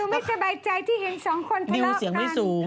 ดิวไม่สบายใจที่เห็นสองคนพลอกกัน